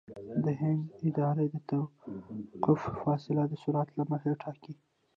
د هند اداره د توقف فاصله د سرعت له مخې ټاکي